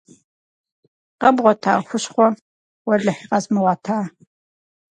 Къэбгъуэта хущхъуэ? - Уэлэхьи, къэзмыгъуэта!